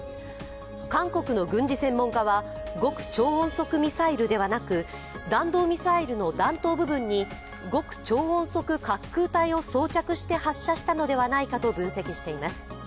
韓国の軍事専門家は極超音速ミサイルではなく弾道ミサイルの弾頭部分に極超音速滑空体を装着して発射したのではないかと分析しています。